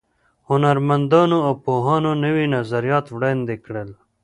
هنرمندانو او پوهانو نوي نظریات وړاندې کړل.